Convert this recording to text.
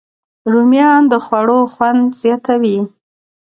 رومیان د خوړو خوند زیاتوي